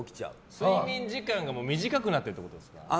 睡眠時間が短くなってるってことですか？